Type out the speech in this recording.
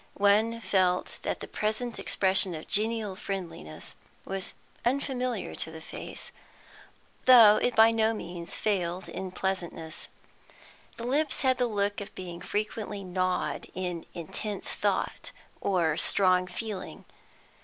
One felt that the present expression of genial friendliness was unfamiliar to the face, though it by no means failed in pleasantness. The lips had the look of being frequently gnawed in intense thought or strong feeling.